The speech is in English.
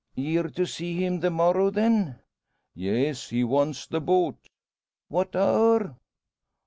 "Ye're to see him the morrow, then?" "Yes; he wants the boat." "What hour?"